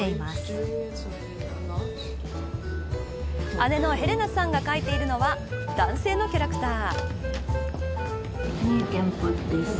姉のヘレナさんが描いているのは男性のキャラクター。